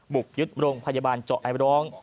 บุกยึดโรงพยาบาลเจาะไอบร้อง